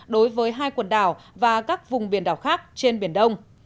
đối với hai quần đảo và các vùng biển đảo khác trên biển đông